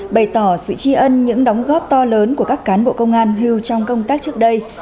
bày tỏ sự tri ân những đóng góp to lớn của các cán bộ công an hưu trong công tác trước đây